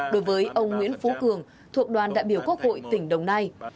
đối với ông nguyễn phú cường thuộc đoàn đại biểu quốc hội tỉnh đồng nai